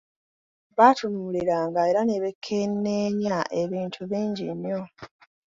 Baatunuuliranga era ne beekenneenya ebintu bingi nnyo.